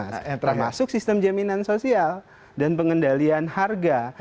termasuk sistem jaminan sosial dan pengendalian harga